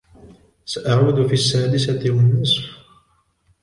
سأعود في السادسة و النصف.